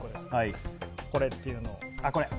これっていうのを。